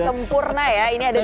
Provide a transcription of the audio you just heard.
sempurna ya ini ada di tengah